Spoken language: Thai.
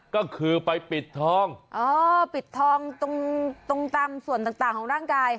ก็คือไปปิดทองอ๋อปิดทองตรงตรงตามส่วนต่างของร่างกาย